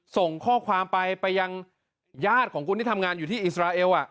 ส่งข้อความไปไปยังญาติของคุณที่ทำงานอยู่ที่อิสราเอล